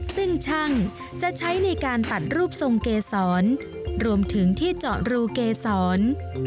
ซึ่งช่างจะใช้ในการตัดรูปทรงเกษรรวมถึงที่เจาะรูเกษร